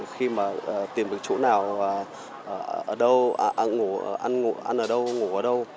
khi tìm được chỗ nào ở đâu ăn ở đâu ngủ ở đâu